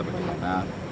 bagi pelatih bimasakti